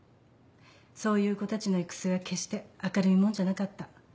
そういう子たちの行く末は決して明るいもんじゃなかった。